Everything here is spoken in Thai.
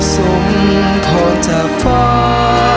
ส่งโทษจากฟ้า